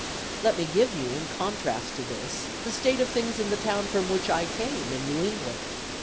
Let me give you, in contrast to this, the state of things in the town from which I came, in New England.